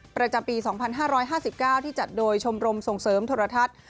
ประจำปี๒๕๕๙ที่จัดโดยชมรมส่งเสริมโทรทัศน์